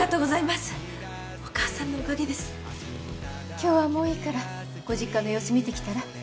今日はもういいからご実家の様子見てきたら？